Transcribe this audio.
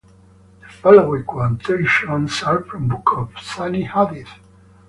The following quotations are from books of Sunni "hadith".